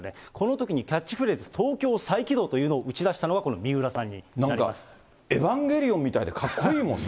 このときにキャッチフレーズ、東京再起動というのを打ち出したのなんか、エヴァンゲリオンみたいでかっこいいもんね。